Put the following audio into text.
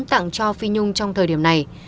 tặng cho phi nhung trong thời điểm này